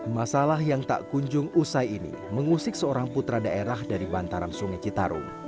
masalah yang tak kunjung usai ini mengusik seorang putra daerah dari bantaran sungai citarum